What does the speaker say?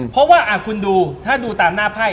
เพราะว่าคุณดูถ้าดูตามหน้าไพ่